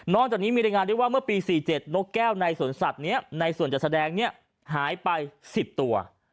จากนี้มีรายงานด้วยว่าเมื่อปี๔๗นกแก้วในสวนสัตว์นี้ในส่วนจัดแสดงเนี่ยหายไป๑๐ตัว